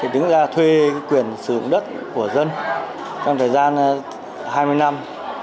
đứng ra thuê quyền sử dụng đất của dân trong thời gian hai mươi năm